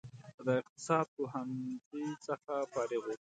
د اقتصاد پوهنځي څخه فارغ و.